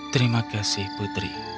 terima kasih putri